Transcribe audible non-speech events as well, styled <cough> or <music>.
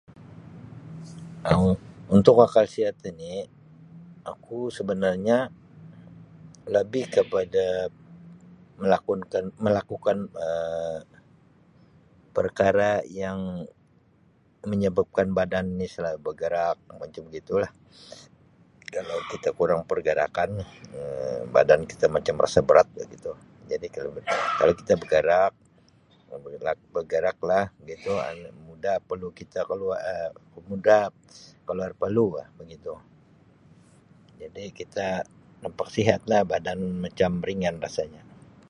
Um Aku sebenarnya lebih kepada melakunkan melakukan Um perkara yang menyebabkan badan ni selalu bergerak macam begitu lah noise] kalau kita kurang pergerakan badankita macam rasa berat begitu <noise> kalau kita bergerak <noise> mudah peluh kita keluar[Um] mudah kita berpeluh bah begitu jadi kita nampak sihat lah badan macam ringan rasanya.